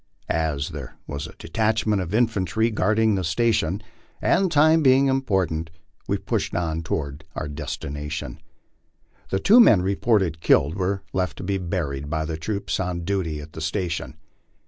As there was a detachment of infantry guarding the station, and time being important, we pushed on toward our destination. The two men reported killed were left to be buried by the troops on duty at the station.